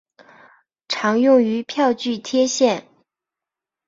常用于票据贴现。